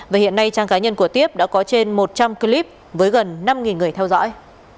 và hiện nay trang cá nhân của tiếp đã có trên một trăm linh clip với gần năm người theo dõi